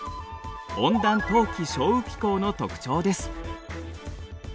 温暖冬季少雨気候の特徴です。